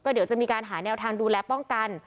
เดี๋ยวจะมีการหาแนวทางดูแลป้องกัน